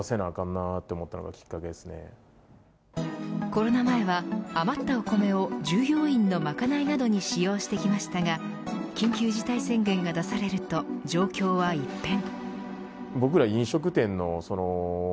コロナ前は余ったお米を従業員のまかないなどに使用してきましたが緊急事態宣言が出されると状況は一変。